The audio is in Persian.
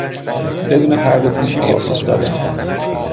بدون پردهپوشی پاسخ دادن